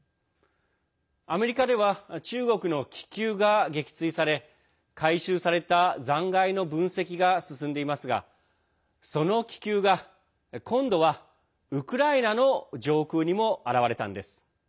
アメリカでは中国の気球が撃墜され回収された残骸の分析が進んでいますがその気球が今度はウクライナの上空にも現れたんです。